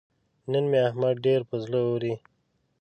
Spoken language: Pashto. نن مې احمد ډېر پر زړه اوري.